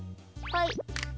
はい。